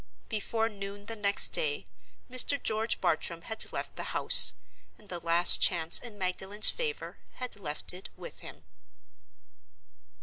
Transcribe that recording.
Before noon the next day Mr. George Bartram had left the house, and the last chance in Magdalen's favor had left it with him.